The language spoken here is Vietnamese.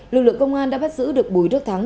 lực lượng công an đã bắt giữ được bùi đức thắng